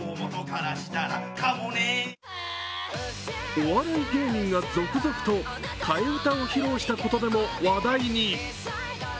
お笑い芸人が続々と替え歌を披露したことでも話題に。